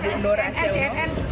bu nur asia uno